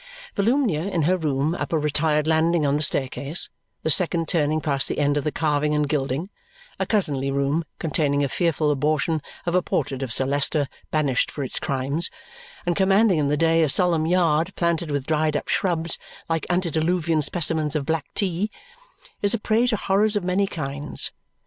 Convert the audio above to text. Volumnia, in her room up a retired landing on the staircase the second turning past the end of the carving and gilding, a cousinly room containing a fearful abortion of a portrait of Sir Leicester banished for its crimes, and commanding in the day a solemn yard planted with dried up shrubs like antediluvian specimens of black tea is a prey to horrors of many kinds.